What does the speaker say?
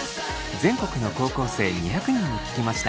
全国の高校生２００人に聞きました。